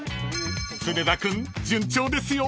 ［常田君順調ですよ］